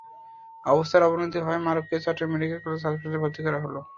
অবস্থার অবনতি হওয়ায় মারুফকে চট্টগ্রাম মেডিকেল কলেজ হাসপাতালে ভর্তি করা হয়।